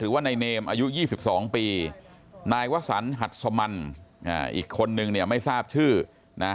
ถือว่าในเนมอายุ๒๒ปีนายวสัญหัสมันอีกคนนึงไม่ทราบชื่อนะ